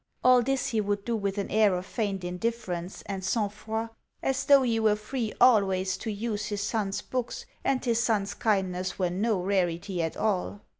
All this he would do with an air of feigned indifference and sangfroid, as though he were free ALWAYS to use his son's books, and his son's kindness were no rarity at all.